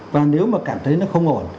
và nếu mà cảm thấy nó không ổn